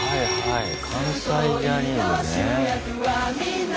関西ジャニーズね。